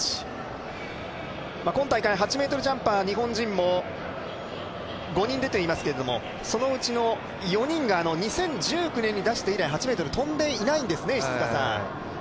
今大会、８ｍジャンパー、日本人も５人出ていますけれども、そのうちの４人が２０１９年に出して以来８ｍ跳んでないんですね。